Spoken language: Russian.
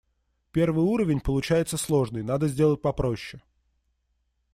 Первый уровень получается сложный, надо сделать попроще.